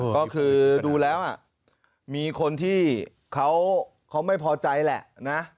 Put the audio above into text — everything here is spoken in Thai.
ก็คือดูแล้วมีคนที่เขาไม่พอใจแหละนะ